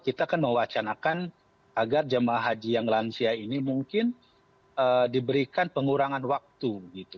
kita akan mewacanakan agar jemaah haji yang lansia ini mungkin diberikan pengurangan waktu